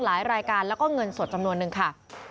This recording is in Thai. หลายรายการแล้วก็เงินสดจำนวนนึงค่ะ